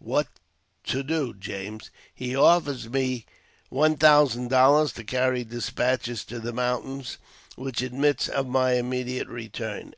'* "What to do, James?" " He offers me one thousand dollars to carry despatches to the mountains, which admits of my immediate return."